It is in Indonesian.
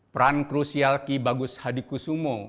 peran kru sialki bagus hadi kusumo